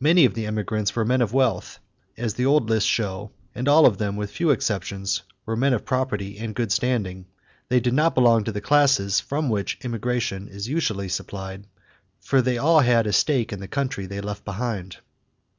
Many of the emigrants were men of wealth, as the old lists show, and all of them, with few exceptions, were men of property and good standing. They did not belong to the classes from which emigration is usually supplied, for they all had a stake in the country they left behind."